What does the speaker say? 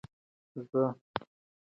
زه د خپلو فکرونو په اړه یاداښتونه اخلم.